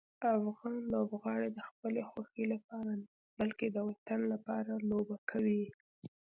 افغان لوبغاړي د خپلې خوښۍ لپاره نه، بلکې د وطن لپاره لوبه کوي.